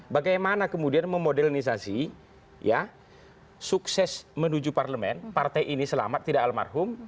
bagaimana kemudian memodernisasi ya sukses menuju parlemen partai ini selamat tidak almarhum